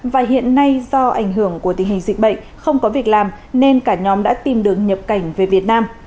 và hiện nay do ảnh hưởng của tình hình dịch bệnh không có việc làm nên cả nhóm đã tìm đường nhập cảnh về việt nam